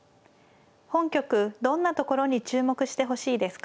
本局どんなところに注目してほしいですか。